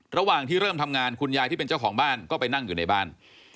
ระหว่างที่เริ่มทำงานคุณยายที่เป็นเจ้าของบ้านก็ไปนั่งอยู่ในบ้าน